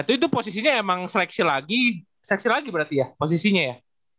itu posisinya emang seleksi lagi seksi lagi berarti ya posisinya ya